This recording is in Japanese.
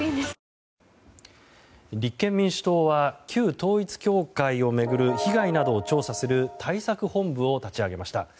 立憲民主党は旧統一教会を巡る被害などを調査する対策本部を立ち上げました。